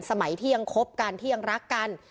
สมัยที่ยังคบกันที่ยังรักกัน